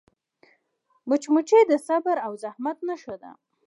مچمچۍ د صبر او زحمت نښه ده